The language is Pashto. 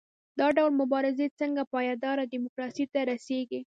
دا ډول مبارزې څنګه پایداره ډیموکراسۍ ته رسیږي؟